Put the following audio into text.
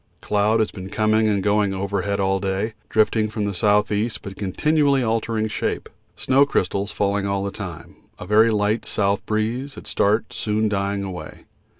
Cloud has been coming and going overhead all day, drifting from the S.E., but continually altering shape. Snow crystals falling all the time; a very light S. breeze at start soon dying away.